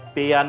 ya itu pilihan